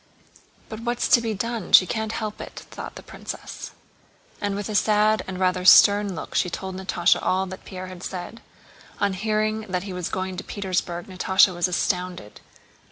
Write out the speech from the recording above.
"But what's to be done? She can't help it," thought the princess. And with a sad and rather stern look she told Natásha all that Pierre had said. On hearing that he was going to Petersburg Natásha was astounded.